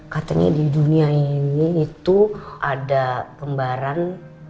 katanya di dunia ini itu ada pembaran tujuh